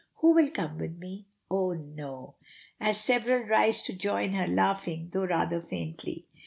"Who will come with me? Oh! no," as several rise to join her, laughing, though rather faintly.